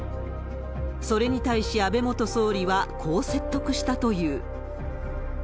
それに対し安倍元総理は、こう説得したという。